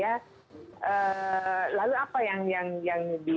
kalau bentuknya sertifikasi atau standarizasi menurut saya